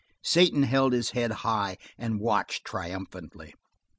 Satan held his head high and watched triumphantly.